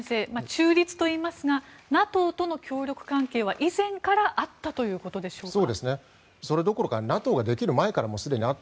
中立といいますがＮＡＴＯとの協力関係は以前からあったということでしょうか。